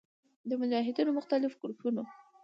د مجاهدینو مختلف ګروپونو